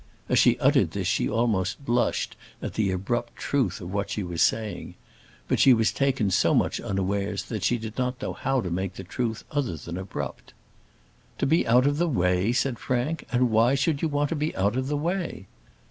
As she uttered this she almost blushed at the abrupt truth of what she was saying. But she was taken so much unawares that she did not know how to make the truth other than abrupt. "To be out of the way!" said Frank. "And why should you want to be out of the way?"